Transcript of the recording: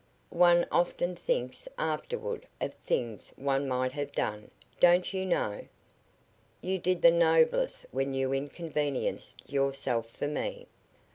One often thinks afterward of things one might have done, don't you know? You did the noblest when you inconvenienced yourself for me.